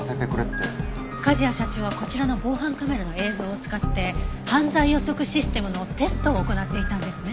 梶谷社長はこちらの防犯カメラの映像を使って犯罪予測システムのテストを行っていたんですね？